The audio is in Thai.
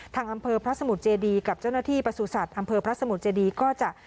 ทางอำเภอพระสมุทรเจดีกับเจ้าหน้าที่ประสุทธิ์อำเภอพระสมุทรเจดีก็จะ